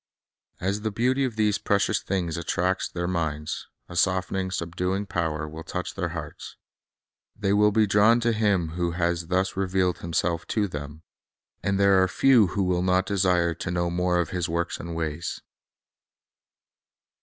As the beauty of these precious things attracts their minds, a softening, subduing power will touch their hearts. They will be drawn to Him who has thus revealed Himself to them. And there are few who will not desire to know more of His works and ways. Bible Teaching and Study 189 The